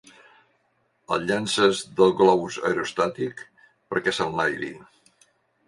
El llances del globus aerostàtic perquè s'enlairi.